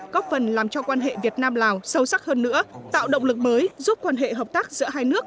góp phần làm cho quan hệ việt nam lào sâu sắc hơn nữa tạo động lực mới giúp quan hệ hợp tác giữa hai nước